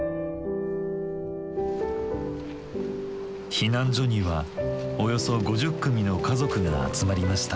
避難所にはおよそ５０組の家族が集まりました。